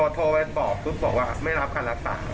โทรไปบอกปุ๊บบอกว่าไม่รับการรักษา